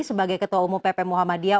sebagai ketua umum pp muhammadiyah